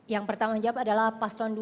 yang pertama jawab adalah pastron dua